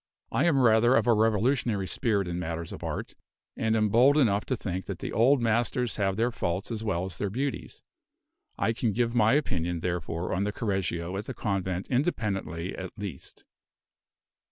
I am rather of a revolutionary spirit in matters of art, and am bold enough to think that the old masters have their faults as well as their beauties. I can give my opinion, therefore, on the Correggio at the convent independently at least.